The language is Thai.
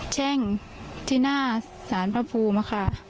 แช่งที่หน้าสารพระภูมิค่ะ